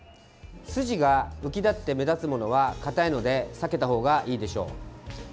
筋が浮き立って目立つものは硬いので避けたほうがいいでしょう。